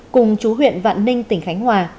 cùng chú huyện vạn ninh tỉnh khánh hòa